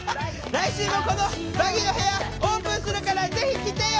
来週もこのバギーの部屋オープンするからぜひ来てよ！